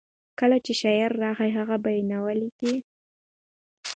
کله چې شعر راغی، هغه به یې نه ولیکه.